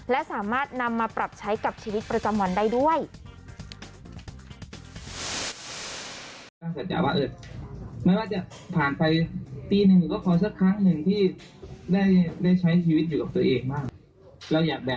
และสามารถนำมาปรับใช้กับชีวิตประจำวันได้ด้วย